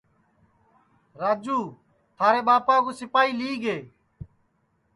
راجو تھارے ٻاپا کُو سیپائی لیگے